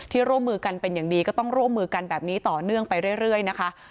ร่วมมือกันเป็นอย่างดีก็ต้องร่วมมือกันแบบนี้ต่อเนื่องไปเรื่อยนะคะ